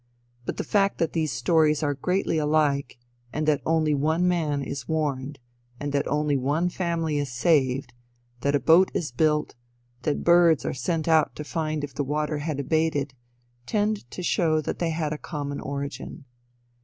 But the fact that these stories are greatly alike, that only one man is warned, that only one family is saved, that a boat is built, that birds are sent out to find if the water had abated, tend to show that they had a common origin.